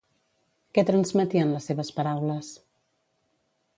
Què transmetien les seves paraules?